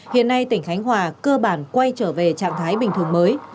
hiện nay tỉnh khánh hòa cơ bản quay trở về trạng thái bình thường mới